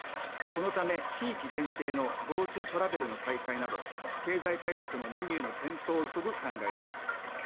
このため、地域限定のＧｏＴｏトラベルの再開など経済対策のメニューの検討を急ぐ考えです。